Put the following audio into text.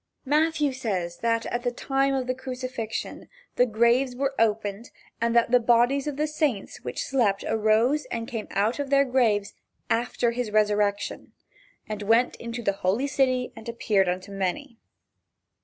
Matthew says that at the time of the crucifixion "the graves were opened and that many bodies of the saints which slept arose and came out of their graves after his resurrection, and went into the holy city and appeared unto many."